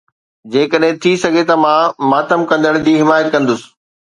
جيڪڏهن ٿي سگهي ته مان ماتم ڪندڙ جي حمايت ڪندس